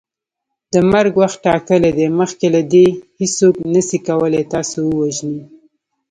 د مرګ وخت ټاکلی دی مخکي له دې هیڅوک نسي کولی تاسو ووژني